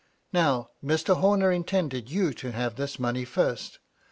Now, Mr. Homer intended you to have this money first.